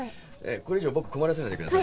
これ以上僕困らせないでください。